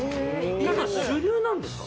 今主流なんですか？